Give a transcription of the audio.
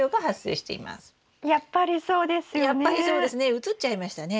うつっちゃいましたね。